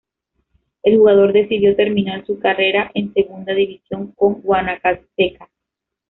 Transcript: El jugador decidió terminar su carrera en Segunda División con Guanacasteca.